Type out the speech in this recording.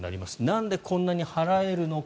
なんでこんなに払えるのか。